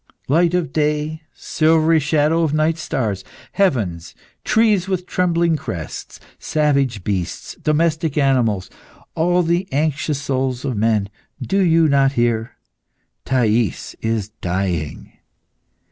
"Light of day, silvery shadows of night stars, heavens, trees with trembling crests, savage beasts, domestic animals, all the anxious souls of men, do you not hear? 'Thais is dying!